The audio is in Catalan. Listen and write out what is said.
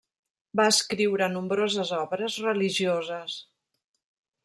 Va escriure nombroses obres religioses.